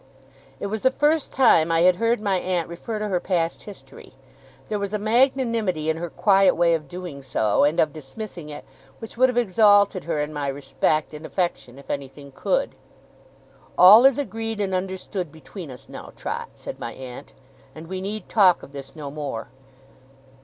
It was the first time I had heard my aunt refer to her past history. There was a magnanimity in her quiet way of doing so, and of dismissing it, which would have exalted her in my respect and affection, if anything could. 'All is agreed and understood between us, now, Trot,' said my aunt, 'and we need talk of this no more.